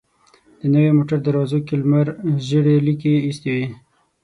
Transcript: د نوې موټر دروازو کې لمر ژېړې ليکې ايستې وې.